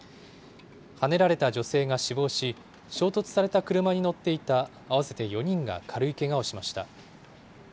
はねられた女性が死亡し、衝突された車に乗っていた合わせて４人が軽いけがをしました。